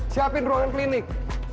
siapin ruangan klinik